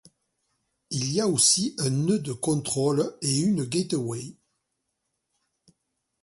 Il y a aussi un nœud de contrôle et une gateway.